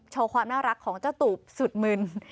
ความน่ารักของเจ้าตูบสุดมึน